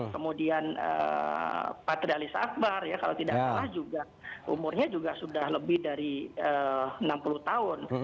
kemudian patrialis akbar ya kalau tidak salah juga umurnya juga sudah lebih dari enam puluh tahun